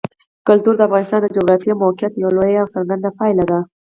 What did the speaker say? کلتور د افغانستان د جغرافیایي موقیعت یوه لویه او څرګنده پایله ده.